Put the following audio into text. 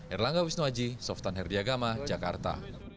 erlangga wisnuaji softan herdiagama jakarta